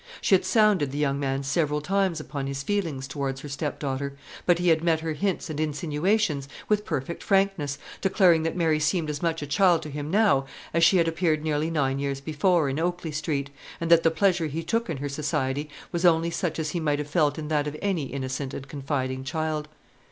She had sounded the young man several times upon his feelings towards her stepdaughter; but he had met her hints and insinuations with perfect frankness, declaring that Mary seemed as much a child to him now as she had appeared nearly nine years before in Oakley Street, and that the pleasure he took in her society was only such as he might have felt in that of any innocent and confiding child.